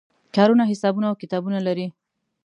کارونه حسابونه او کتابونه لري.